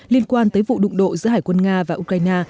liên quan tới vụ đụng độ giữa hải quân nga và ukraine